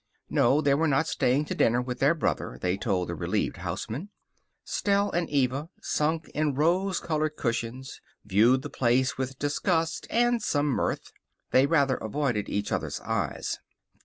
No, they were not staying to dinner with their brother, they told the relieved houseman. Stell and Eva, sunk in rose colored cushions, viewed the place with disgust and some mirth. They rather avoided each other's eyes.